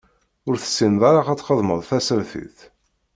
Ur tessineḍ ara ad txedmeḍ tasertit.